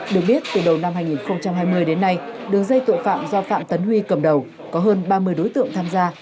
được biết từ đầu năm hai nghìn hai mươi đến nay đường dây tội phạm do phạm tấn huy cầm đầu có hơn ba mươi đối tượng tham gia